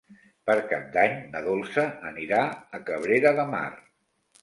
Per Cap d'Any na Dolça anirà a Cabrera de Mar.